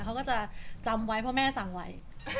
เขาก็จะจำไว้เพราะแม่สั่งไว้